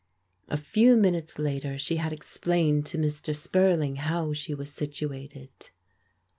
A few minutes later she had explained to Mr. Spurling how she was situated.